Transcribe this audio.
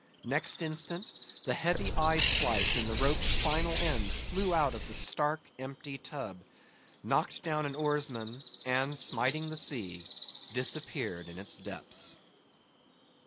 Next instant, the heavy eye splice in the rope's final end flew out of the stark empty tub, knocked down an oarsman, and smiting the sea, disappeared in its depths.